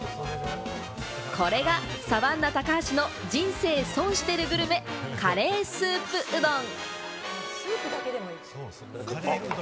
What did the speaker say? これがサバンナ・高橋の人生損してるグルメ、カレースープうどん。